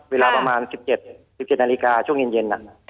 เวลาประมาณสิบเจ็ดนาฬิกาช่วงเย็น